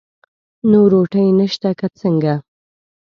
نو روټۍ نشته که څنګه؟